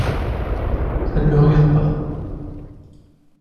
Ca ne me regarde pas…